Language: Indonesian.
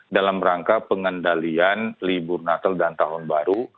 dalam rangka pengendalian libur natal dan tahun baru